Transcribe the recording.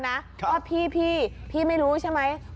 ว่าพี่พี่ไม่รู้ใช่ไหม